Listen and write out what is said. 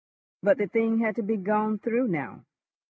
But the thing had to be gone through now.